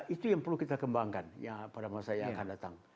itu yang perlu kita kembangkan pada masa yang akan datang